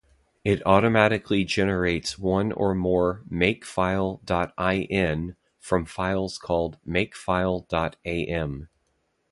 It automatically generates one or more "Makefile.in" from files called "Makefile.am".